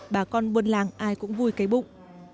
bà con buôn làng ai cũng vui cây bụng